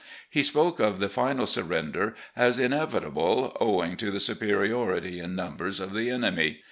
He spoke of the final surrender as inevitable owing to the superiority in numbers of the enemy.